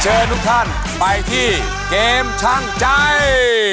ทุกท่านไปที่เกมช่างใจ